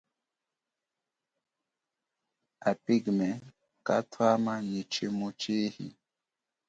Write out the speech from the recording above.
A Pygmees kathwama nyi shimu chihi.